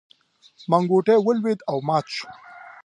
منګوټی ولوېد او مات شو.